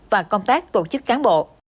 và công tác tổ chức cán bộ